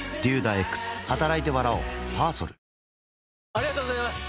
ありがとうございます！